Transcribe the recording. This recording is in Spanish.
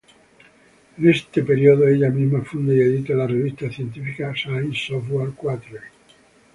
En ese periodo, ella misma funda y edita la revista científica "Science Software Quarterly".